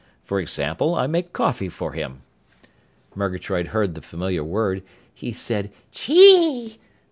For example, I make coffee for him." Murgatroyd heard the familiar word. He said, "_Chee!